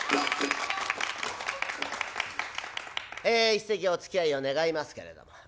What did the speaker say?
え一席おつきあいを願いますけれども。